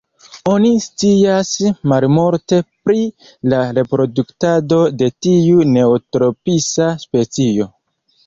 Oni scias malmulte pri la reproduktado de tiu neotropisa specio.